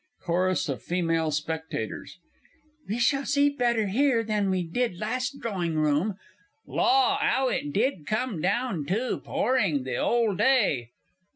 _ CHORUS OF FEMALE SPECTATORS. We shall see better here than what we did last Droring Room. Law, 'ow it did come down, too, pouring the 'ole day.